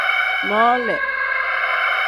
Noole.